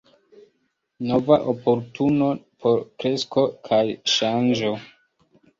Nova oportuno por kresko kaj ŝanĝo.